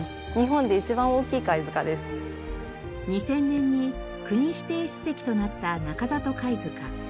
２０００年に国指定史跡となった中里貝塚。